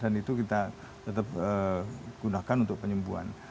dan itu kita tetap gunakan untuk penyembuhan